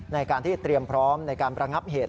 ในการที่เตรียมพร้อมในการประงับเหตุ